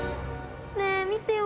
ねぇ見てよ